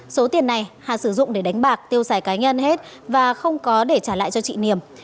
số tiền này hà sử dụng để đánh bạc tiêu xài cá nhân hết và không có để trả lại cho chị niềm